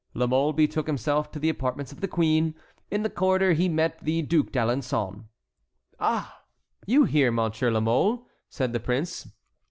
La Mole betook himself to the apartments of the queen. In the corridor he met the Duc d'Alençon. "Ah! you here, Monsieur la Mole?" said the prince.